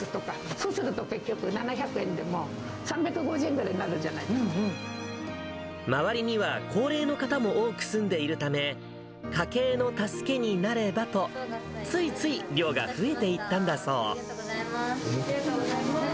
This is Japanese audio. そうすると、結局７００円でも、周りには高齢の方も多く住んでいるため、家計の助けになればと、ついつい量が増えていったんありがとうございます。